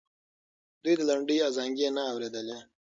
دوی د لنډۍ ازانګې نه اورېدلې.